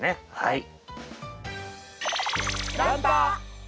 はい。